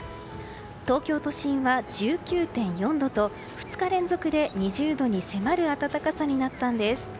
東京都心は１９．４度と２日連続で２０度に迫る暖かさになったんです。